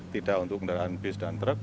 tidak untuk kendaraan bis dan truk